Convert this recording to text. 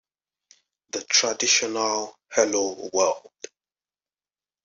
The traditional Hello, world!